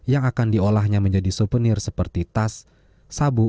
yang akan diolahnya menjadi supenir seperti tas sabuk